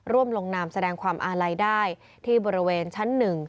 ลงนามแสดงความอาลัยได้ที่บริเวณชั้น๑